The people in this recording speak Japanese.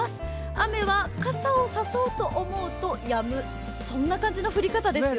雨は、傘を差そうと思うとやむ、そんな感じの降り方ですね。